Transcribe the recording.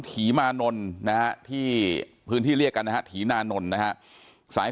ถีมานนท์นะฮะที่พื้นที่เรียกกันนะฮะถีนานนท์นะฮะสาย